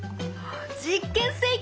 実験成功！